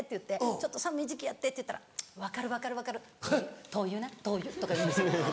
ちょっと寒い時期やって」って言ったら「分かる分かる分かる灯油な灯油」とか言うんですよ。